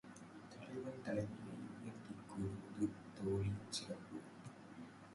தலைவன் தலைவியை உயர்த்திக் கூறுவது தோழியின் சிறப்பு.